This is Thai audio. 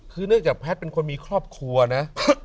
คือเนื่องจากแพทย์เป็นคนมีครอบครัวนะ